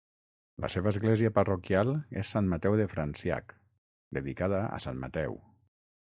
La seva església parroquial és Sant Mateu de Franciac, dedicada a Sant Mateu.